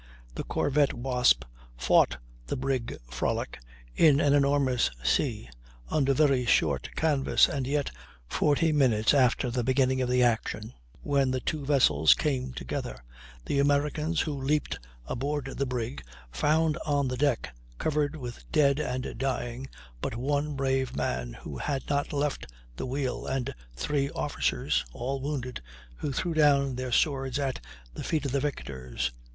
The corvette Wasp fought the brig Frolic in an enormous sea, under very short canvas, and yet, forty minutes after the beginning of the action, when the two vessels came together, the Americans who leaped aboard the brig found on the deck, covered with dead and dying, but one brave man, who had not left the wheel, and three officers, all wounded, who threw down their swords at the feet of the victors."